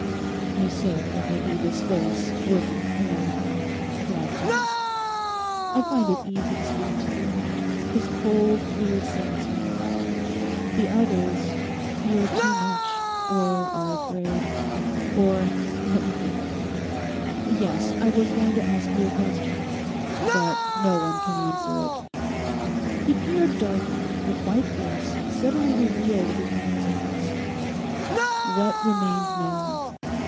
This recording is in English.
You say it may be this face, working in! God knows. I find it easy to speak to you—this cold, clear sense, you know. The others feel too much, or are afraid, or—Let me think—yes, I was going to ask you a question. But no one can answer it.' He peered darkly, with white face suddenly revealed between his hands. 'What remains now?